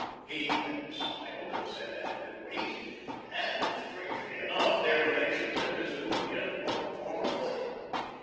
He had smiled and said that he could wait, and, strangely enough, their relations had resumed again upon the former footing.